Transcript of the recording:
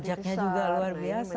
pajaknya juga luar biasa